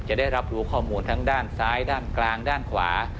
จะได้รับรู้ข้อมูลทั้งด้านซ้ายด้านกลางด้านขวา